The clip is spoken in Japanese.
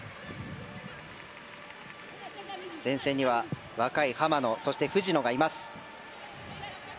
前線には若い浜野と藤野がいます。